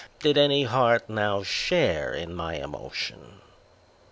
did any heart now share in my emotion.